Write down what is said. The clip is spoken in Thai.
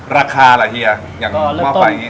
ราคาเหรอเฮียอย่างม่อไฟอย่างนี้